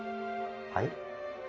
はい？